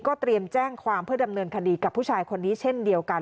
เตรียมแจ้งความเพื่อดำเนินคดีกับผู้ชายคนนี้เช่นเดียวกัน